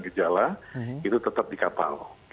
gejala itu tetap di kapal